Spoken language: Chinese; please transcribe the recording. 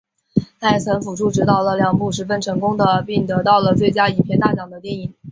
他也曾辅助执导了两部十分成功的并得到最佳影片大奖的电影。